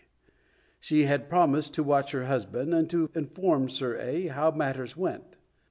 She had promised to watch her husband, and inform Sir A. how matters went.